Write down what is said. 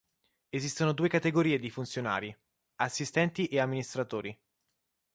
Esistono due categorie di funzionari: Assistenti e Amministratori.